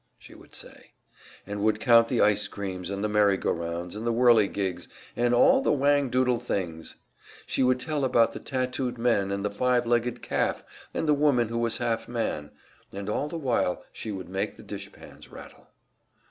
she would say; and would count the ice creams and the merry go rounds and the whirly gigs and all the whang doodle things. She would tell about the tattooed men and the five legged calf and the woman who was half man, and all the while she would make the dishpans rattle.